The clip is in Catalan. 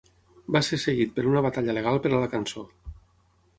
Va ser seguit per una batalla legal per a la cançó.